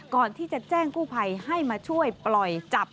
ก่อนที่จะแจ้งกู้ภัยให้มาช่วยปล่อยจับ